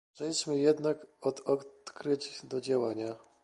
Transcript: Przejdźmy jednak od odkryć do działania